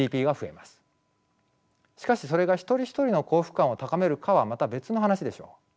しかしそれが一人一人の幸福感を高めるかはまた別の話でしょう。